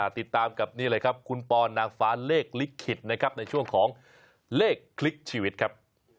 ติดตามกับคุณปอนด์นางฟ้าเลขลิกขิตช่วงของเลขคลิกชีวิตครับ